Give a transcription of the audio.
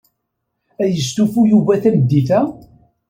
Ad yestufu Yuba tameddit-a?